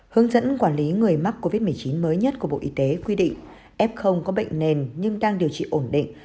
hướng dẫn quản lý người mắc covid một mươi chín mới nhất của bộ y tế quy định f có bệnh nền nhưng đang điều trị ổn định